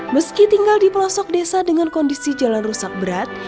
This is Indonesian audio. meski tinggal di pelosok desa dengan kondisi jalan rusak berat